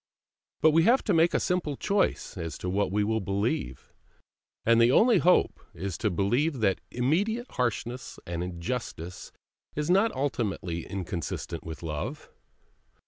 But we have to make a simple choice as to what we will believe, and the only hope is to believe that immediate harshness and injustice is not ultimately inconsistent with Love.